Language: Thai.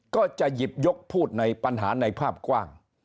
ก็จะหยิบยกพูดในปัญหาในภาพกว้าง